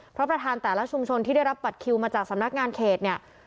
เพราะประธานแต่ละชุมชนที่ได้รับบัตรคิวมาจากสำนักงานเขตเนี่ย